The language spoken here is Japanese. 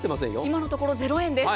今のところ０円です。